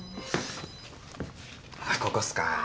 ここっすか。